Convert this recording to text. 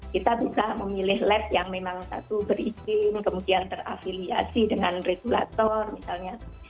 kita bisa memilih lab yang memang satu berizin kemudian terafiliasi dengan regulator misalnya